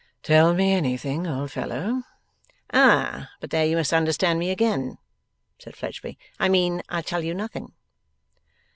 'Tell me anything, old fellow!' 'Ah, but there you misunderstand me again,' said Fledgeby. 'I mean I'll tell you nothing.